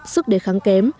sức đề kháng kém